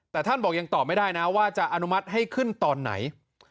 แต่ท่านบอกยังตอบไม่ได้นะว่าจะอนุมัติให้ขึ้นตอนไหน